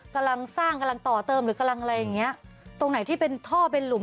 กำลังสร้างกำลังต่อเติมหรือกำลังอะไรอย่างเงี้ยตรงไหนที่เป็นท่อเป็นหลุม